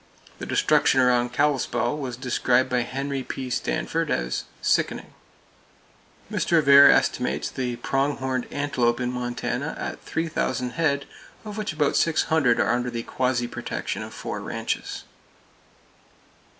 The destruction around Kalispell was described by Harry P. Stanford as "sickening." Mr. Avare estimates the prong horned antelope in Montana at three thousand head, of which about six hundred are under the quasi protection of four ranches.